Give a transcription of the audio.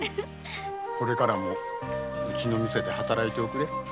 これからもうちの店で働いておくれ。